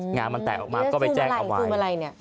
งานมันแตกออกมาก็ไปแจ้งเอาไว้